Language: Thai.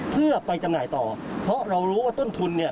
เพื่อไปจำหน่ายต่อเพราะเรารู้ว่าต้นทุนเนี่ย